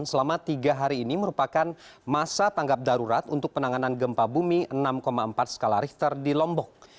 selama tiga hari ini merupakan masa tanggap darurat untuk penanganan gempa bumi enam empat skala richter di lombok